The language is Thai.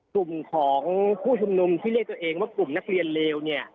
กลุ่มของผู้ชุมนุมที่เรียกตัวเองว่ากลุ่มนักเรียนเลวเนี่ย